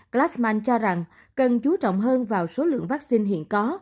plasman cho rằng cần chú trọng hơn vào số lượng vaccine hiện có